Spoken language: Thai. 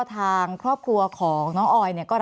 แอนตาซินเยลโรคกระเพาะอาหารท้องอืดจุกเสียดแสบร้อน